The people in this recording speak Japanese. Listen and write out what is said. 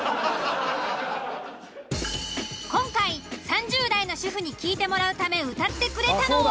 今回３０代の主婦に聴いてもらうため歌ってくれたのは？